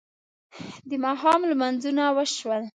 د ماښام لمونځونه وشول.